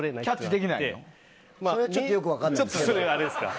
それはちょっとよく分からない。